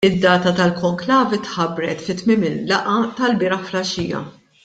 Id-data tal-Konklavi tħabbret fi tmiem il-laqgħa tal-bieraħ filgħaxija.